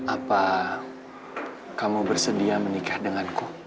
apa kamu bersedia menikah denganku